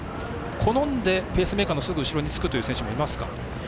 好んでペースメーカーのすぐ後ろにつく選手もいますか。